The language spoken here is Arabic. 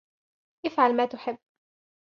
افعل ما تحب.